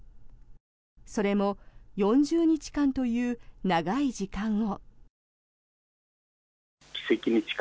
それも４０日間という長い時間を。